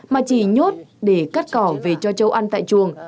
mà chỉ nhốt để cắt cỏ về cho chấu ăn tại chuồng